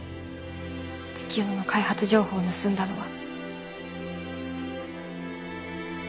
月夜野の開発情報を盗んだのは。